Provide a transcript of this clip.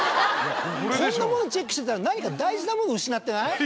こんなものチェックしてたら何か大事なもの失ってない？